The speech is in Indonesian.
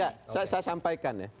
ya saya sampaikan ya